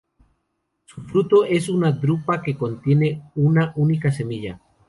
Su fruto es una drupa que contienen una única semilla.